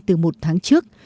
từ một tháng trước